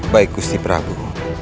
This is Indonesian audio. baik gusti prabu